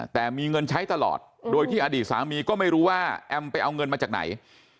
แต่มีเงินใช้ตลอดโดยที่อดีตสามีก็ไม่รู้ว่าแอมไปเอาเงินมาจากไหน